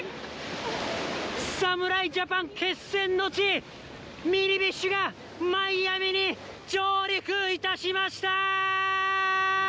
侍ジャパン決戦の地、ミニビッシュが、マイアミに上陸いたしました。